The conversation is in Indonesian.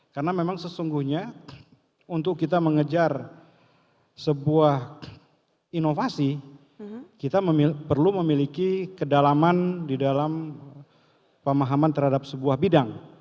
karena memang sesungguhnya untuk kita mengejar sebuah inovasi kita perlu memiliki kedalaman di dalam pemahaman terhadap sebuah bidang